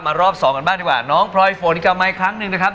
รอบสองกันบ้างดีกว่าน้องพลอยฝนกลับมาอีกครั้งหนึ่งนะครับ